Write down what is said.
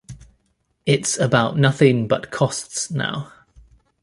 It's about nothing but costs now.